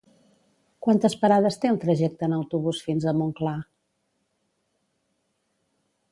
Quantes parades té el trajecte en autobús fins a Montclar?